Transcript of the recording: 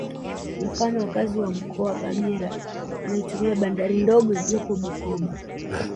Mfano wakazi wa Mkoa Kagera wanaitumia bandari ndogo iliyopo Bukoba